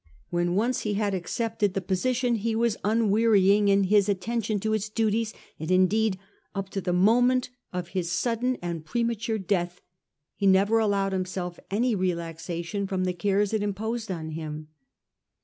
When once he had accepted the position he was un wearying in his attention to its duties ; and indeed up to the moment of his sudden and premature death he never allowed himself any relaxation from the cares it imposed on him.